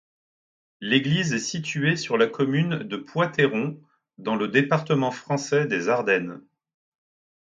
L'église est située sur la commune de Poix-Terron, dans le département français des Ardennes.